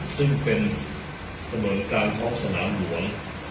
ซึ่งเป็นถนนกลางท้องสนามหลวง